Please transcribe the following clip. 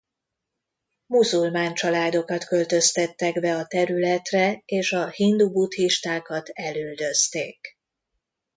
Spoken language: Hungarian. Muzulmán családokat költöztettek be a területre és a hindu-buddhistákat elüldözték.